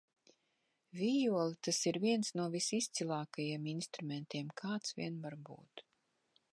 Vijole, tas ir viens no visizcilākajiem instrumentiem, kāds vien var būt.